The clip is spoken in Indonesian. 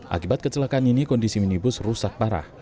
akibat kecelakaan ini kondisi minibus rusak parah